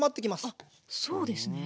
あっそうですね。